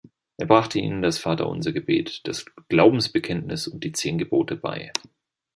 Er brachte ihnen das Vaterunser-Gebet, das Glaubensbekenntnis und die Zehn Gebote bei.